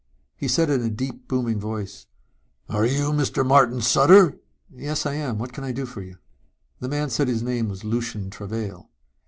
He said in a deep booming voice, "Are you Mr. Martin Sutter?" "Yes, I am. What can I do for you?" The man said his name was Lucien Travail.